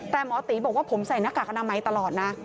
แต่หมอตีบอกว่าผมใส่หน้ากากอนามัยตลอดนะ